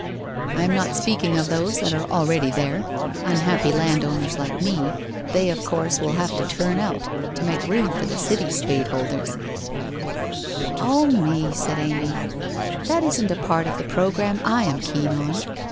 I am not speaking of those that are already there, un happy landowners like me, they of course will have to turn out, to make room for the city spadeholders/ 'Oh, me!' said Amy, 'That isn't a part of the pro gramme 7 am keen on.